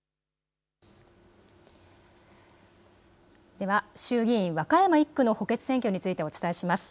では衆議院和歌山１区の補欠選挙についてお伝えします。